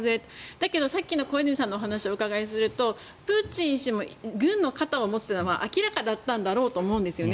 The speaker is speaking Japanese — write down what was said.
だけどさっきの小泉さんの話を聞くとプーチン氏が軍の方を持つというのは明らかだったんだろうと思うんですね。